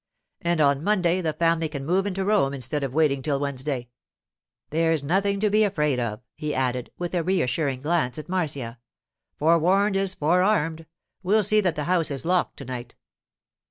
And on Monday the family can move into Rome instead of waiting till Wednesday. There's nothing to be afraid of,' he added, with a reassuring glance at Marcia. 'Forewarned is forearmed—we'll see that the house is locked to night.